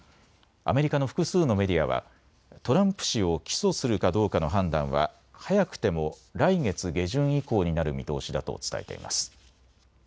アメリカの複数のメディアはトランプ氏を起訴するかどうかの判断は早くても来月下旬以降になる見通しだと伝えています。